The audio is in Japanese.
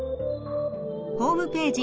ホームページ